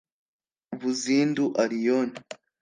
Buzindu Allioni